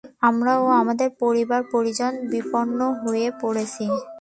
আমরা ও আমাদের পরিবার-পরিজন বিপন্ন হয়ে পড়েছি।